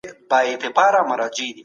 مثبت فکر پرمختګ نه کموي.